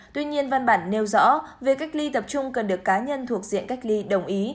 tuy nhiên văn bản nêu rõ về cách ly tập trung cần được cá nhân thuộc diện cách ly đồng ý